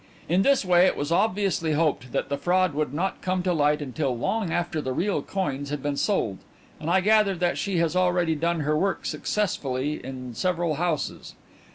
In this way it was obviously hoped that the fraud would not come to light until long after the real coins had been sold, and I gather that she has already done her work successfully in several houses.